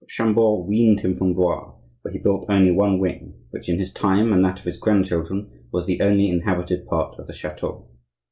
But Chambord weaned him from Blois, where he built only one wing, which in his time and that of his grandchildren was the only inhabited part of the chateau.